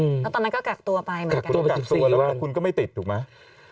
อืมแล้วตอนนั้นก็กักตัวไปเหมือนกันกักตัวแล้วคุณก็ไม่ติดถูกไหม